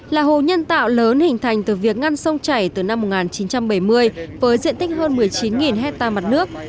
là hồ nhân tạo lớn hình thành từ việc ngăn sông chảy từ năm một nghìn chín trăm bảy mươi với diện tích hơn một mươi chín hectare mặt nước